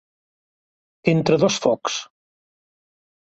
Entre dos focs.